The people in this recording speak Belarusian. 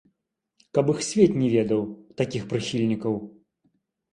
Каб іх свет не ведаў, такіх прыхільнікаў!